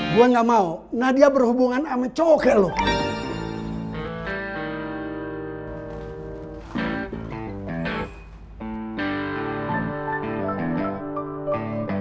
gua nggak mau nadia berhubungan ama cowoknya lu